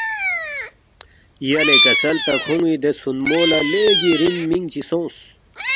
یلے کسل تا کھون٘ی دے ژھونمو لہ لیگی رِن منگ چی سونگس